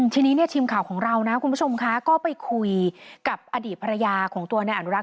ทีนี้เนี่ยทีมข่าวของเรานะคุณผู้ชมคะก็ไปคุยกับอดีตภรรยาของตัวนายอนุรักษ